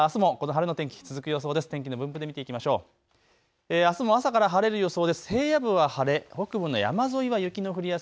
あすもこの晴れの天気、続く予想です。